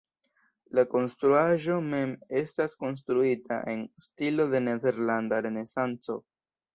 La konstruaĵo mem estas konstruita en stilo de nederlanda renesanco.